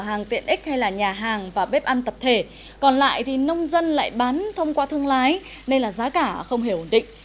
hàng tiện ích hay là nhà hàng và bếp ăn tập thể còn lại thì nông dân lại bán thông qua thương lái nên là giá cả không hề ổn định